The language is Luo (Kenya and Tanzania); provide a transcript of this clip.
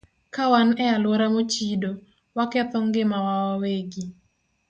Ka wan e alwora mochido, waketho ngimawa wawegi.